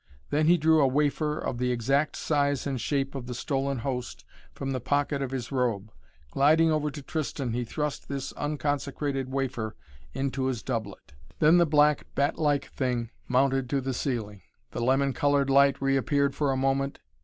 Then he drew a wafer of the exact size and shape of the stolen Host from the pocket of his robe. Gliding over to Tristan he thrust this unconsecrated wafer into his doublet. Then the black bat like thing mounted to the ceiling. The lemon colored light reappeared for a moment.